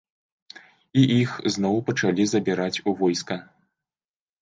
І іх зноў пачалі забіраць у войска.